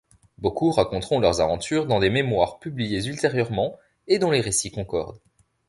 Beaucoup raconteront leurs aventures dans des mémoires publiées ultérieurement, et dont les récits concordent.